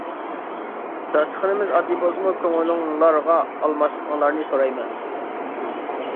داستىخىنىمىز ئاددىي بولسىمۇ كۆڭلۈڭلارغا ئالماسلىقىڭلارنى سورايمەن.